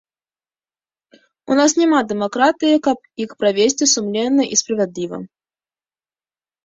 У нас няма дэмакратыі, каб іх правесці сумленна і справядліва.